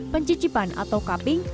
pencicipan atau kapis